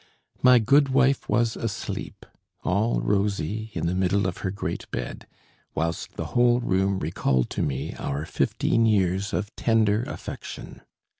My good wife was asleep, all rosy, in the middle of her great bed; whilst the whole room recalled to me our fifteen years of tender affection.